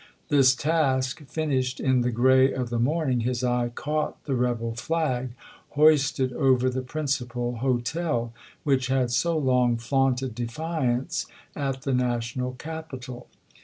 This task finished in the gray of the morning, his eye caught the rebel flag hoisted over the principal hotel, which had so long flaunted deflance at the national capital.